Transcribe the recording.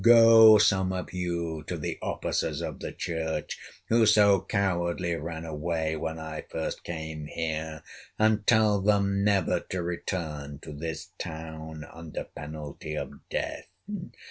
Go, some of you, to the officers of the church, who so cowardly ran away when I first came here, and tell them never to return to this town under penalty of death.